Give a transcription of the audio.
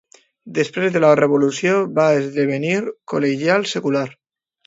Després de la revolució va esdevenir col·legial secular.